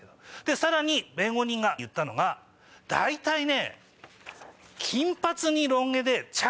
さらに弁護人が言ったのが「大体ね」。